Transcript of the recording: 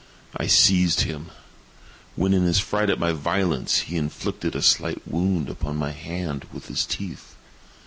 I seized him; when, in his fright at my violence, he inflicted a slight wound upon my hand with his teeth.